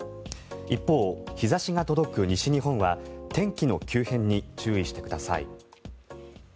一方、日差しが届く西日本は天気の急変に注意してください。